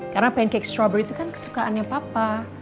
karena pancake strover itu kan kesukaannya papa